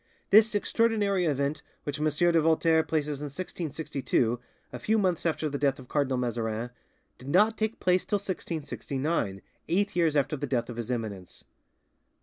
This extraordinary event, which M. de Voltaire places in 1662, a few months after the death of Cardinal Mazarin, did not take place till 1669, eight years after the death of His Eminence.